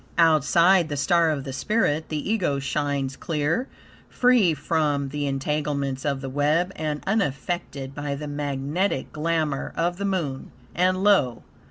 Outside the star of the spirit, the Ego, shines clear, free from the entanglements of the web and unaffected by the magnetic glamour of the Moon. And lo!